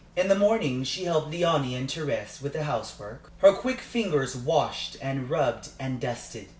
In the morning she helped Léonie and Thérèse with the housework. Her quick fingers washed and rubbed and dusted.